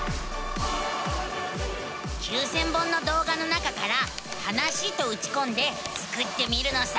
９，０００本の動画の中から「はなし」とうちこんでスクってみるのさ。